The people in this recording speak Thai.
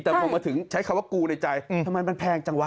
แต่พอมาถึงใช้คำว่ากูในใจทำไมมันแพงจังวะ